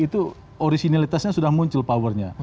itu originalitasnya sudah muncul powernya